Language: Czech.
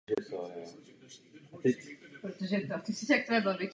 Teorie zakřivení časoprostoru je součástí obecné teorie relativity.